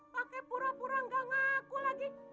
pakai pura pura gak ngaku lagi